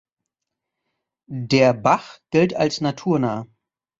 Der Bach gilt als naturnah.